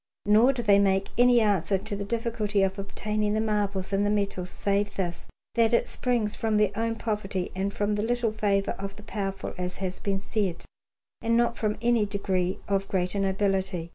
Nor do they make any answer to the difficulty of obtaining the marbles and the metals, save this, that it springs from their own poverty and from the little favour of the powerful, as has been said, and not from any degree of greater nobility.